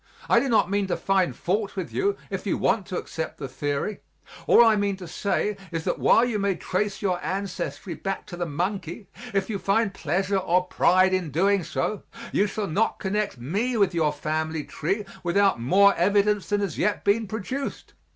I do not mean to find fault with you if you want to accept the theory; all I mean to say is that while you may trace your ancestry back to the monkey if you find pleasure or pride in doing so, you shall not connect me with your family tree without more evidence than has yet been produced.